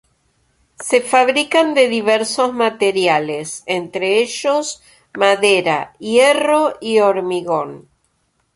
Se fabrican de diversos materiales, entre ellos madera, hierro y hormigón.